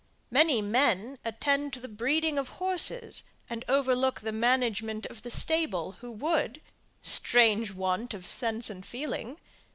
Many men attend to the breeding of horses, and overlook the management of the stable, who would, strange want of sense and feeling!